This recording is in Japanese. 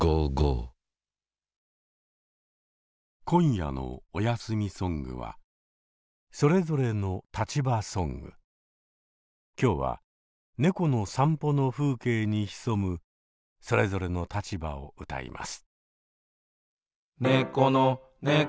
今夜の「おやすみソング」は今日はネコの散歩の風景に潜むそれぞれの立場を歌います。